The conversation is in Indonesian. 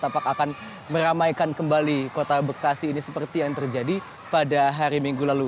tampak akan meramaikan kembali kota bekasi ini seperti yang terlihat